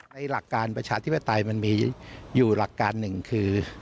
หลักการประชาธิปไตยมันมีอยู่หลักการหนึ่งคือ